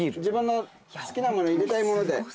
自分の好きなもの入れたいもので。